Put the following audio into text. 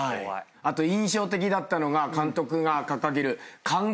あと印象的だったのが監督が掲げる考える